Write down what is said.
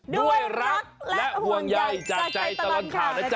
ด้วยรักและห่วงใยจากใจตลอดข่าวนะจ๊